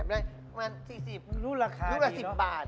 รูปราคาดีนะรูปละ๑๐บาท